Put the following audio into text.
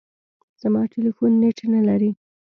زما ټلیفون نېټ نه لري .